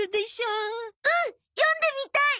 うん読んでみたい！